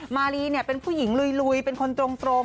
มารีเป็นผู้หญิงลุยเป็นคนตรง